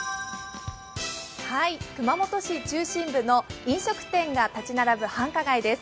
熊本市中心部の飲食店が立ち並ぶ繁華街です。